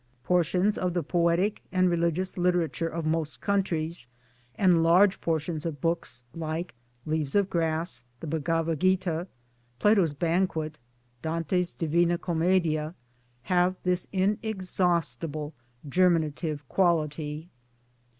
Portions of the poetic and religious literature of most countries, and large portions of books like Leaves of Grass, the Bhagavat Gita, Plato's Banquet, Dante's Divina Commedia, have this inexhaustible germinative quality.